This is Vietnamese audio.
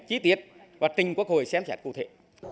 chi tiết và tình của cơ hội xem xét cụ thể